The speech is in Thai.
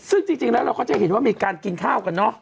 ซึ่งจริงแล้วเราก็จะเห็นว่ามีการกินข้าวกันเนอะ